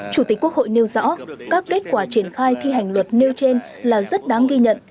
chủ tịch quốc hội nêu rõ các kết quả triển khai thi hành luật nêu trên là rất đáng ghi nhận